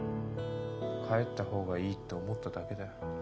帰った方がいいって思っただけだよ。